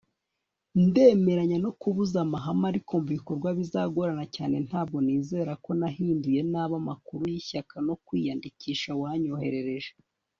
Ndemeranya no kubuza amahame ariko mubikorwa bizagorana cyane Ntabwo nizera ko nahinduye nabi amakuru yishyaka no kwiyandikisha wanyoherereje